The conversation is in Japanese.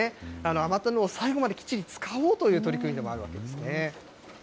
余ったものを最後まできちっと使おうという取り組みでもあるわけですね。